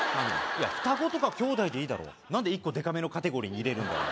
いや双子とか兄弟でいいだろ何で一個でかめのカテゴリーに入れるんだよ